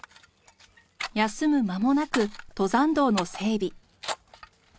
休む間もなく登山道の整備。